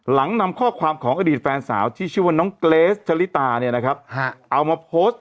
นำข้อความของอดีตแฟนสาวที่ชื่อว่าน้องเกรสชะลิตาเนี่ยนะครับเอามาโพสต์